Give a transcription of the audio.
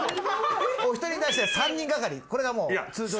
お１人に対して３人がかりこれがもう通常です。